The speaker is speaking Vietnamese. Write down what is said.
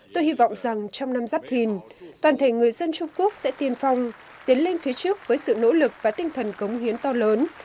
tôi hy vọng rằng trong năm giáp thìn toàn thể người dân trung quốc sẽ tiên phong tiến lên phía trước với sự nỗ lực và tinh thần cống hiến to lớn